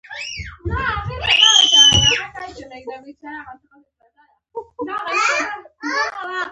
نو بیا پلار څوک دی؟ روح القدس یې پلار دی؟